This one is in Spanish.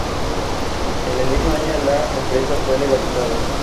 En el mismo año la empresa fue legalizada.